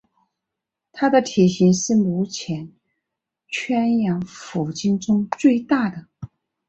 它的体型是目前圈养虎鲸中最大的。